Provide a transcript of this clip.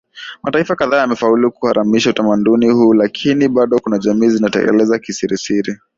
Mataifa kadhaa yamefaulu kuharamisha utamaduni huu lakini bado kuna jamii zinatekeleza kisiri siri